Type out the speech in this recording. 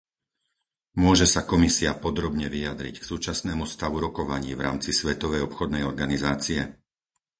Môže sa Komisia podrobne vyjadriť k súčasnému stavu rokovaní v rámci Svetovej obchodnej organizácie?